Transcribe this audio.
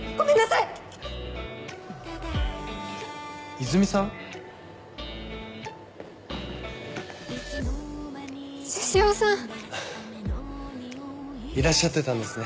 いらっしゃってたんですね。